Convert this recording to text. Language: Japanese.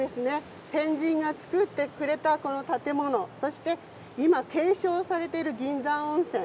先人が作ってくれたこの建物、そして今継承されている銀山温泉